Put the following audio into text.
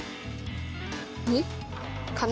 ２かな？